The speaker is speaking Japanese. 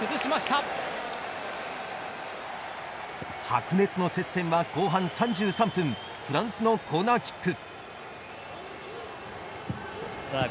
白熱の接戦は、後半３３分フランスのコーナーキック。